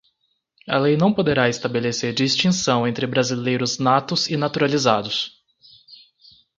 A lei não poderá estabelecer distinção entre brasileiros natos e naturalizados